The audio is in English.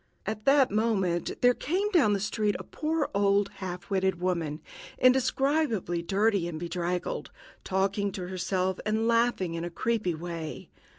At that moment there came down the street a poor old half witted woman, indescribably dirty and bedraggled, talking to herself and laughing in a creepy way.